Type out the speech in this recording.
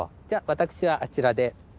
じゃあ私はあちらで。